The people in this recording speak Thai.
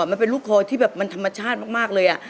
มันเป็นลูกคอยที่แบบมันธรรมชาติมากเลย